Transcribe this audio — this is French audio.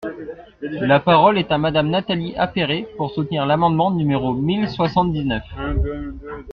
La parole est à Madame Nathalie Appéré, pour soutenir l’amendement numéro mille soixante-dix-neuf.